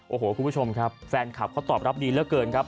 โอ้โหคุณผู้ชมครับแฟนคลับเขาตอบรับดีเหลือเกินครับ